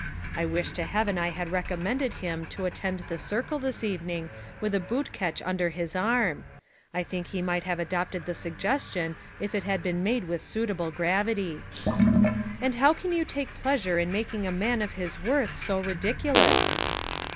I wish to heaven I had recommended him to attend the circle this evening with a boot ketch under his arm. I think he might have adopted the suggestion if it had been made with suitable gravity.' 'And how can you take pleasure in making a man of his worth so ridiculous?'